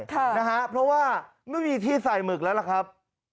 เพราะว่าไม่มีที่ใส่หมึกแล้วล่ะครับ